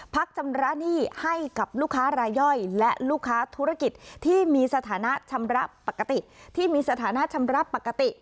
พักชำระหนี้ให้กับลูกค้าราย่อยและลูกค้าธุรกิจที่มีสถานะชำระปกติ